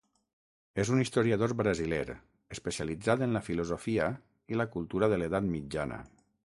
És un historiador brasiler, especialitzat en la filosofia i la cultura de l'edat mitjana.